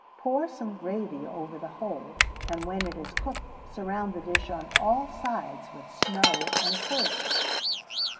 Pour some gravy over the whole, and when it is cooked, surround the dish on all sides with snow, and serve.